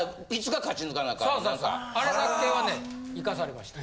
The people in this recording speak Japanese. そうそうあれだけはね行かされました。